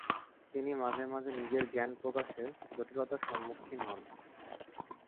তিনি মাঝে মাঝে নিজের জ্ঞান প্রকাশে জটিলতার সম্মুখীন হতেন।